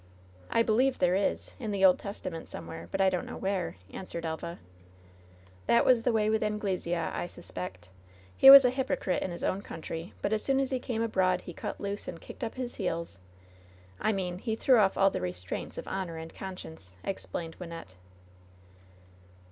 "I believe there is, in the Old Testament somewhere, but I don't know where," answered Elva. "That was the way with Anglesea, I suspect. He was a hypocrite in his own country ; but as soon as he came abroad he cut loose and kicked up his heels — ^I mean he threw off all the restraints of honor and conscience/' ex plained Wynnette.